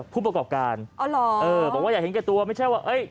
ฮะบอกใครว่าอย่าเห็นแก่ตัวนะฮะ